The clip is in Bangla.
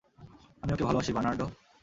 আমি ওকে ভালোবাসি, বার্নার্ডো।